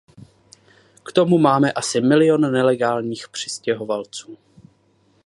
K tomu máme asi milion nelegálních přistěhovalců.